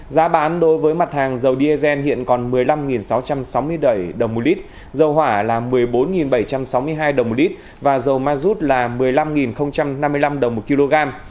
giá bán đối với mặt hàng dầu diesel hiện còn một mươi năm sáu trăm sáu mươi bảy đồng một lít dầu hỏa là một mươi bốn bảy trăm sáu mươi hai đồng một lít và dầu ma rút là một mươi năm năm mươi năm đồng một kg